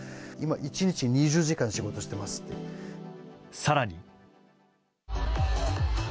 更に。